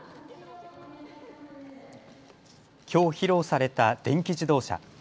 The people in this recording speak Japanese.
きょう、披露された電気自動車。